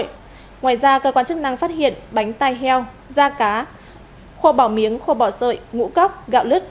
ngoài ra cơ quan chức năng phát hiện bánh tai heo da cá khô bỏ miếng khô bỏ sợi ngũ góc gạo lứt